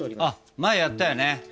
あっ前やったよね！